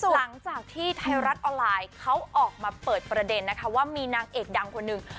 หลังจากที่ไทยรัฐออนไลน์เขาออกมาเปิดประเด็นนะคะว่ามีนางเอกดังคนหนึ่ง